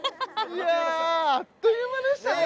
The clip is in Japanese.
いやあっという間でしたね